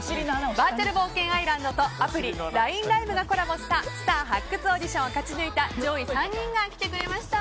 バーチャル冒険アイランドとアプリ、ＬＩＮＥＬＩＶＥがコラボしたスター発掘オーディションを勝ち抜いた上位３人が来てくれました。